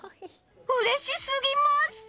うれしすぎます！